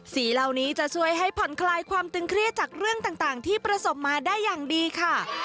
สีเหล่านี้จะช่วยให้ผ่อนคลายความตึงเครียดจากเรื่องต่างที่ประสบมาได้อย่างดีค่ะ